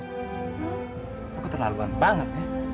kau keterlaluan banget ya